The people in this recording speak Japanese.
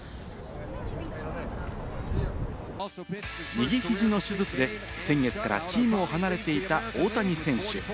右肘の手術で先月からチームを離れていた大谷選手。